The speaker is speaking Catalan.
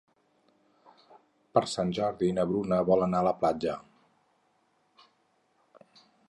Per Sant Jordi na Bruna vol anar a la platja.